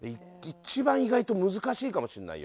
一番意外と難しいかもしれないよ。